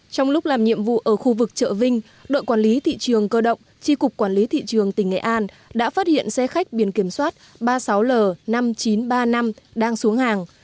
trong lúc làm nhiệm vụ ở khu vực chợ vinh đội quản lý thị trường cơ động tri cục quản lý thị trường tỉnh nghệ an đã phát hiện xe khách biển kiểm soát ba mươi sáu l năm nghìn chín trăm ba mươi năm đang xuống hàng